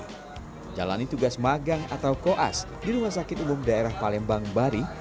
menjalani tugas magang atau koas di rumah sakit umum daerah palembang bari